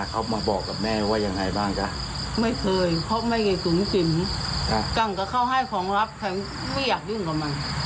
การหายตัวไปของแววเขาได้บอกอะไรกับเราไหม